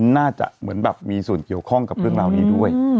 น่าจะเหมือนแบบมีส่วนเกี่ยวข้องกับเรื่องราวนี้ด้วย